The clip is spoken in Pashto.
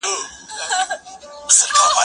زه به سبا مړۍ خورم!؟